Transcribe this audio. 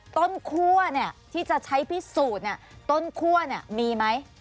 คั่วที่จะใช้พิสูจน์ต้นคั่วมีไหม